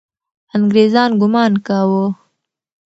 انګریزان ګمان کاوه.